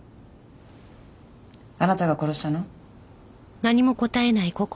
あなたが殺したの？